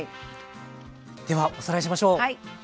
ではおさらいしましょう。